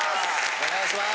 お願いします。